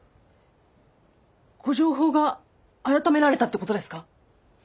ご定法が改められたってことですか！？